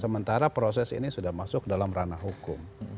sementara proses ini sudah masuk dalam ranah hukum